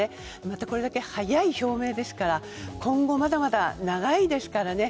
またこれだけ早い表明ですから今後まだまだ長いですからね。